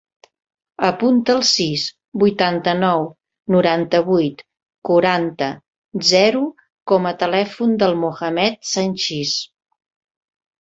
Apunta el sis, vuitanta-nou, noranta-vuit, quaranta, zero com a telèfon del Mohammed Sanchiz.